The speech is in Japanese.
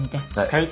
はい。